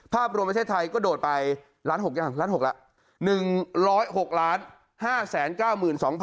ภาพรวมเมืองเทศไทยก็โดดไปล้านหกอย่างล้านหกแล้ว